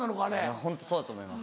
ホントそうだと思います。